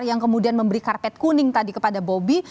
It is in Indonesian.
yang kemudian memberi karpet kuning tadi kepada bobby